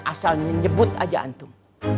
asalnya nyebut aja antum